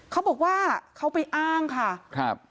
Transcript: เขาบอกว่าเขาไปอ้างค่ะครับ